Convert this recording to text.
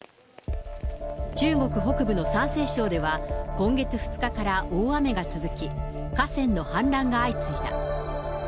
中国北部の山西省では、今月２日から大雨が続き、河川の氾濫が相次いだ。